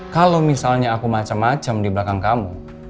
kalau misalnya aku macem macem di belakang kamu